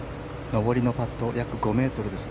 上りのパット約５ｍです。